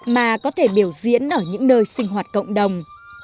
mà có thể biểu diễn ở những nơi sinh hoạt cộng đồng